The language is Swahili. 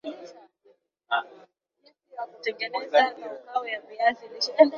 jinsi ya kutengeneza kaukau ya viazi lishe